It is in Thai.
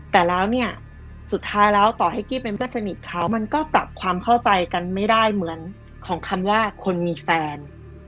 แต่แล้วเนี่ยสุดท้ายแล้วต่อให้กี้เป็นเพื่อนสนิทเขามันก็ปรับความเข้าใจกันไม่ได้เหมือนของคำว่าคนมีแฟน